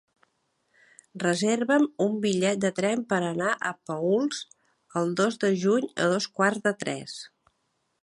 Reserva'm un bitllet de tren per anar a Paüls el dos de juny a dos quarts de tres.